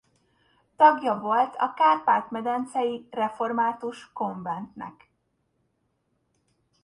Tagja volt a Kárpát-medencei Református Konventnek.